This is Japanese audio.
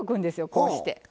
こうして。